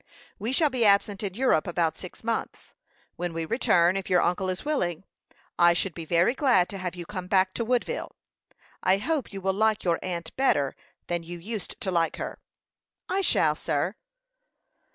We shall be absent in Europe about six months; when we return, if your uncle is willing, I should be very glad to have you come back to Woodville. I hope you will like your aunt better than you used to like her." "I shall, sir."